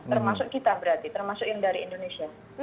termasuk kita berarti termasuk yang dari indonesia